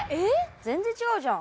全然違うじゃん。